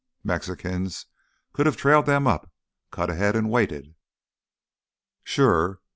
"Mexicans could have trailed them up, cut ahead and waited——" "Sure.